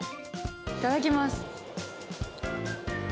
いただきます。